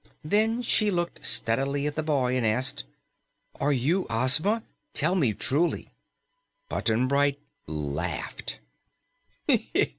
Then she looked steadily at the boy and asked, "Are you Ozma? Tell me truly!" Button Bright laughed.